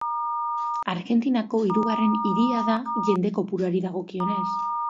Argentinako hirugarren hiria da, jende kopuruari dagokionez.